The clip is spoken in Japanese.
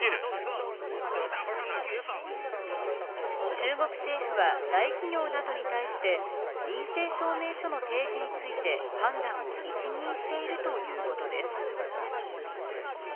中国政府は大企業などに対して陰性証明書の提示について判断を一任しているということです。